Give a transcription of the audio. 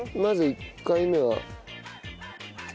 まず１回目は。